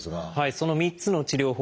その３つの治療法